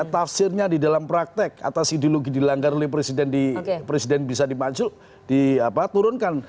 tafsirnya di dalam praktek atas ideologi dilanggar oleh presiden bisa dimaksud diturunkan